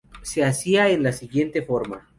Se hacía en la siguiente forma.